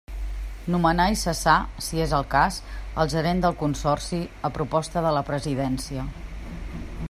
Nomenar i cessar, si és el cas, el gerent del Consorci, a proposta de la Presidència.